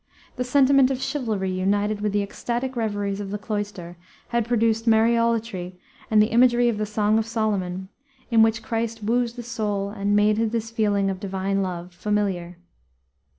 The sentiment of chivalry united with the ecstatic reveries of the cloister had produced Mariolatry and the imagery of the Song of Solomon, in which Christ wooes the soul, had made this feeling of divine love familiar.